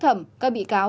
trường hợp này